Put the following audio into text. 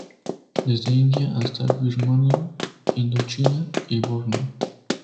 Desde India hasta Birmania, Indochina y Borneo.